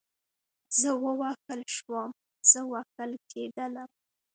زه ووهل شوم, زه وهل کېدلم